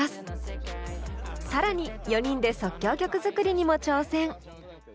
更に４人で即興曲作りにも挑戦。